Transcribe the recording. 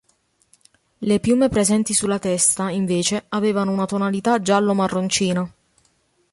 Le piume presenti sulla testa invece avevano una tonalità giallo-marroncina.